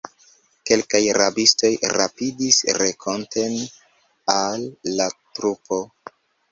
Kelkaj rabistoj rapidis renkonten al la trupo.